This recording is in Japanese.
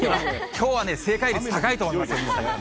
きょうは正解率、高いと思いますよ。